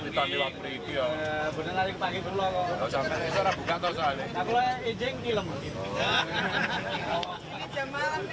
di tempat yang asli di jemaah